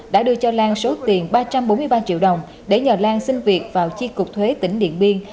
đã đưa cho lan số tiền ba trăm bốn mươi ba triệu đồng để nhờ lan xin việc vào chi cục thuế tỉnh điện biên